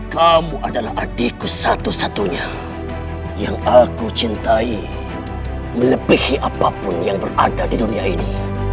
kamu adalah adikku satu satunya yang aku cintai melebihi apapun yang berada di dunia ini